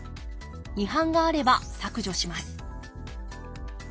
違反があれば削除します。